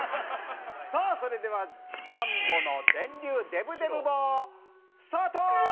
さあそれではジャンボの電流デブデブ棒スタート！